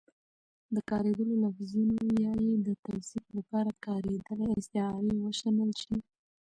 د کارېدلو لفظونو يا يې د توصيف لپاره کارېدلې استعارې وشنل شي